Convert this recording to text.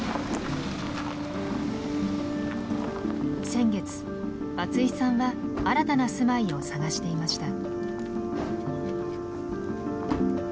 先月松井さんは新たな住まいを探していました。